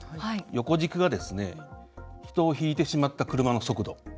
横軸が人をひいてしまった車の速度。